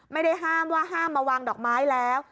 ไม่ได้ห้ามว่าห้ามมาวางดอกไม้แล้ว